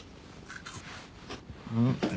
うん。